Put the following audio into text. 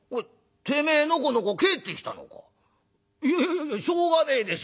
「いやいやしょうがねえでしょ。